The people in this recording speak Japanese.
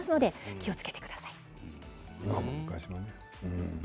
気をつけてください。